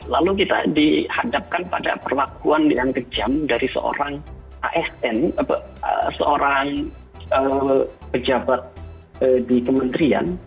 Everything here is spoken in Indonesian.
lalu kita dihadapkan pada perlakuan yang kejam dari seorang pejabat di kementrian